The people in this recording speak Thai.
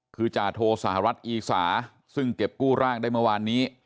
คือจาโทสหรัฐอีสาซึ่งเก็บกู้ร่างได้เมื่อวานนี้